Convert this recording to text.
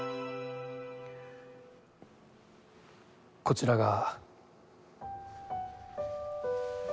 こちらが。